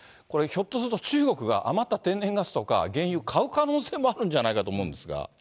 これ、ひょっとすると中国が余った天然ガスとか原油、買う可能性があるんじゃないかと思うんですが。